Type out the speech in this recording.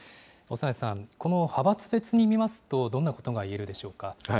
長内さん、この派閥別に見ますと、どんなことが言えるでしょうか。